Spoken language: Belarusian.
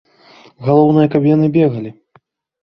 Галоўнае, каб яны бегалі.